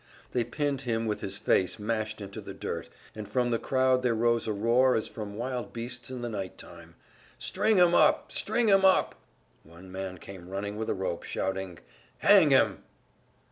They pinned him with his face mashed into the dirt, and from the crowd there rose a roar as from wild beasts in the night time, "String him up! String him up!" One man came running with a rope, shouting, "Hang him!"